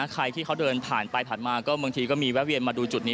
ใครที่เขาเดินผ่านไปผ่านมาก็บางทีก็มีแวะเวียนมาดูจุดนี้